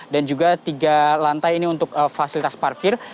dan juga tiga lantai ini untuk fasilitas parkir